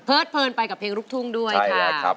เพลินไปกับเพลงลูกทุ่งด้วยค่ะ